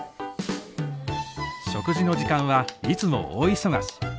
食事の時間はいつも大忙し。